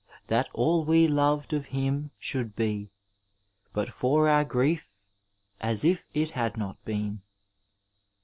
that all we loved of him should be But for our grief as if it had not been.